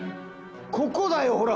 ここだよほら！